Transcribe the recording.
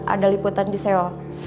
ada liputan di seoul